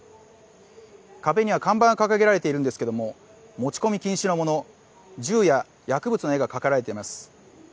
壁には看板が掲げられているんですけれども、持ち込み禁止のもの、銃や薬物の絵が描かれています。